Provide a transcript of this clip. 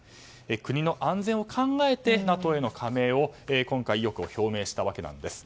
国の安全を考えてＮＡＴＯへの加盟への意欲を表明したということです。